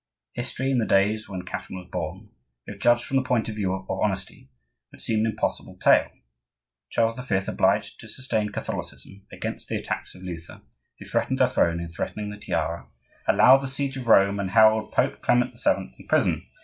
History, in the days when Catherine was born, if judged from the point of view of honesty, would seem an impossible tale. Charles V., obliged to sustain Catholicism against the attacks of Luther, who threatened the Throne in threatening the Tiara, allowed the siege of Rome and held Pope Clement VII. in prison!